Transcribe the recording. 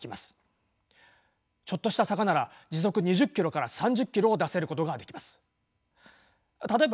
ちょっとした坂なら時速２０ｋｍから３０ｋｍを出せることができます。